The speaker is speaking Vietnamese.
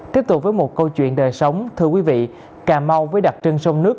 tiếp tục với một câu chuyện đời sống thưa quý vị cà mau với đặc trưng sông nước